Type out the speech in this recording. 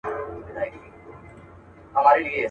ته له چا څخه په تېښته وارخطا یې.